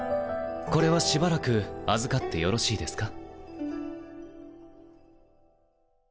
これはしばらく預かってよろしいですか？